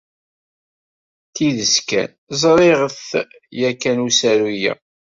Tidet kan, ẓriɣ-t yakan usaru-ya.